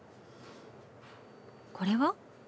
これは？